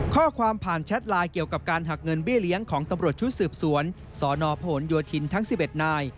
ข้อความผ่านแชทไลน์เกี่ยวกับการหักเงินเบี้ยเลี้ยงของตำรวจชุดสืบสวนสนพโยธินทั้ง๑๑นาย